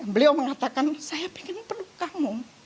beliau mengatakan saya ingin penuh kamu